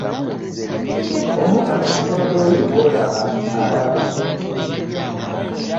Omukama Katonda oyo gw'olaba alaba.